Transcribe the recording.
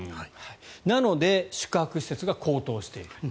なので宿泊施設が高騰している。